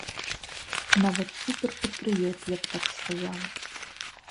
Нават супер-патрыёт, я б так сказала!